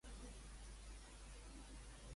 A on va governar Carilau?